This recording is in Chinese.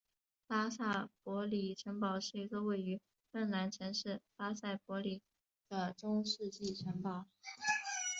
拉塞博里城堡是一座位于芬兰城市拉塞博里的中世纪城堡。